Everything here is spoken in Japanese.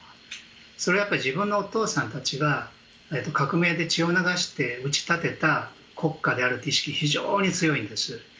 それは自分のお父さんたちが革命で血を流して打ち立てた国家である意識が非常に強いんです。